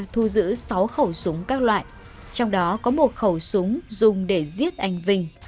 thu giữ sáu khẩu súng các loại trong đó có một khẩu súng dùng để giết anh vinh